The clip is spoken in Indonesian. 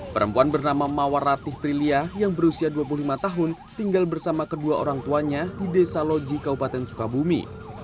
perempuan bernama mawar ratih prilia yang berusia dua puluh lima tahun tinggal bersama kedua orang tuanya di desa loji kabupaten sukabumi